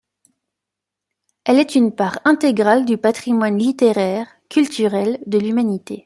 Elle est une part intégrale du patrimoine littéraire, culturel, de l’humanité.